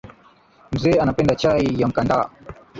Mzee anapenda chai ya mkanada